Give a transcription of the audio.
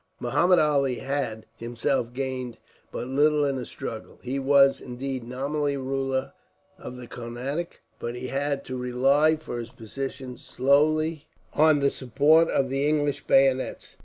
Muhammud Ali had, himself, gained but little in the struggle. He was, indeed, nominally ruler of the Carnatic, but he had to rely for his position solely on the support of the English bayonets.